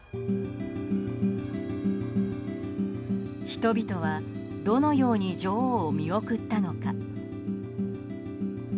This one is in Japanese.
人々はどのように女王を見送ったのか。